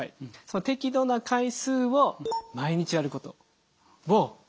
その適度な回数を毎日やることをおすすめします。